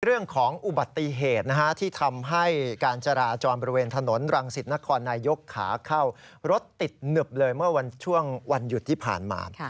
เรื่องของอุบัติเหตุที่ทำให้การจราจรบริเวณถนนรังสิตนครนายกขาเข้ารถติดหนึบเลยเมื่อช่วงวันหยุดที่ผ่านมา